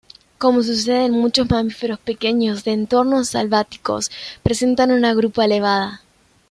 Como sucede en muchos mamíferos pequeños de entornos selváticos, presentan una grupa elevada.